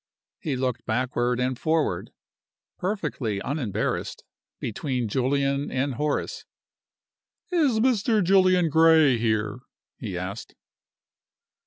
He looked backward and forward, perfectly unembarrassed, between Julian and Horace. "Is Mr. Julian Gray here?" he asked.